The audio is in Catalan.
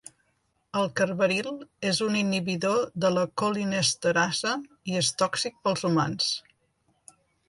El carbaril és un inhibidor de la colinesterasa i és tòxic pels humans.